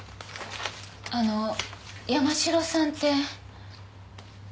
あの山城さんって。